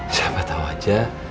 siapa tau aja